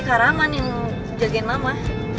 karaman yang jagain mama